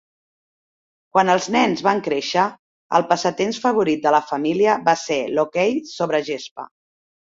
Quan els nens van créixer, el passatemps favorit de la família va ser l'hoquei sobre gespa.